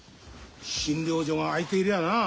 診療所が開いてりゃなあ。